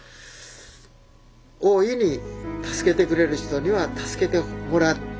大いに助けてくれる人には助けてもらう。